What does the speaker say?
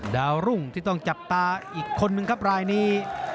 ดาวรุ่งที่ต้องจับตาอีกคนนึงครับรายนี้